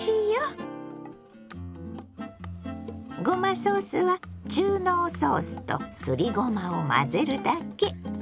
ごまソースは中濃ソースとすりごまを混ぜるだけ。